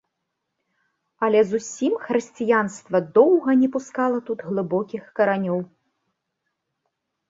Але зусім хрысціянства доўга не пускала тут глыбокіх каранёў.